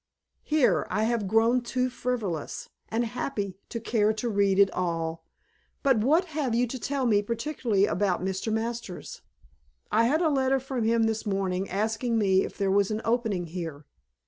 Here, I have grown too frivolous and happy to care to read at all. But what have you to tell me particularly about Mr. Masters?" "I had a letter from him this morning asking me if there was an opening here.